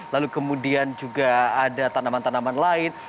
lalu kemudian juga ada tanaman tanaman lain